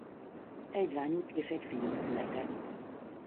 Egy lányuk és egy fiuk született.